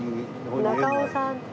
中尾さんと。